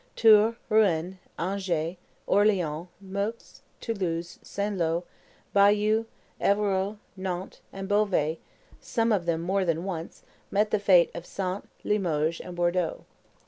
Tours, Rouen, Angers, Orleans, Meaux, Toulouse, Saint Lo, Bayeux, Evreux, Nantes, and Beauvais, some of them more than once, met the fate of Saintes, Limoges, and Bordeaux.